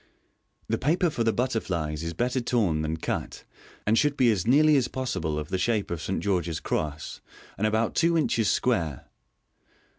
The paper for the butterflies is better torn than cut, and should be as nearly as possible of the shape of a St. George's cross, and about two inches square.